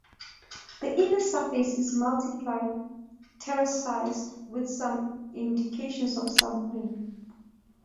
The inner surface is multiply terraced with some indications of slumping.